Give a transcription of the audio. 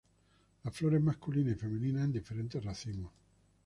Las flores masculinas y femeninas en diferentes racimos.